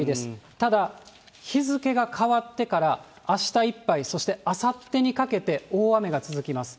ただ、日付が変わってからあしたいっぱい、そして、あさってにかけて、大雨が続きます。